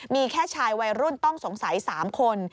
มีแค่ชายวัยรุ่นต้องสงสัย๓คน